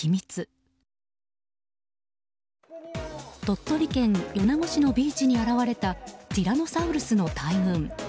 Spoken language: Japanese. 鳥取県米子市のビーチに現れたティラノサウルスの大群。